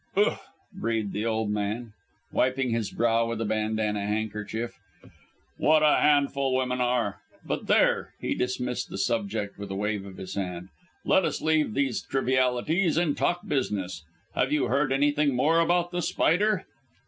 "Ouf," breathed the old man, wiping his brow with a bandanna handkerchief. "What a handful women are! But there," he dismissed the subject with a wave of his hand, "let us leave these trivialities and talk business. Have you heard anything more about The Spider?"